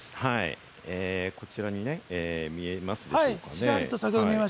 こちらにね、見えますでしょうか？